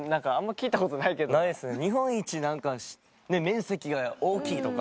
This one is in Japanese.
日本一何かねっ面積が大きいとか。